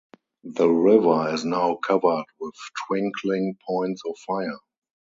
The river is now covered with twinkling points of fire.